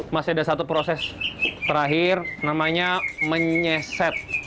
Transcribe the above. masih ada satu proses terakhir namanya menyeset